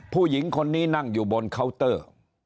ผู้หญิงคนนี้นั่งอยู่บนเคาน์เตอร์